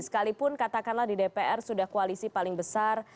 sekalipun katakanlah di dpr sudah koalisi paling besar